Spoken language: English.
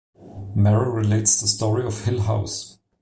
Marrow relates the story of Hill House.